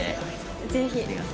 ぜひ。